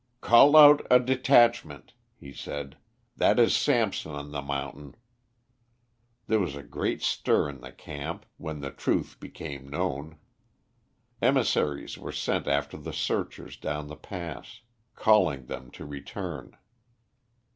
"Call out a detachment," he said, "that is Samson on the mountain." There was a great stir in the camp when the truth became known. Emissaries were sent after the searchers down the pass, calling them to return.